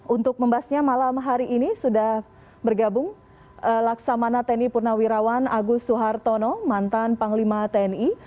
untuk membahasnya malam hari ini sudah bergabung laksamana tni purnawirawan agus suhartono mantan panglima tni